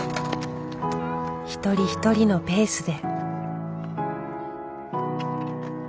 一人一人のペースで。